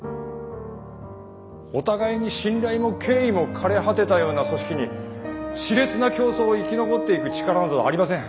お互いに信頼も敬意も枯れ果てたような組織に熾烈な競争を生き残っていく力などありません。